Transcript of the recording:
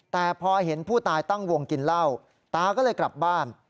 แต่พอเห็นผู้ตายตั้งวงกินเหล้าตาก็เลยกลับบ้าน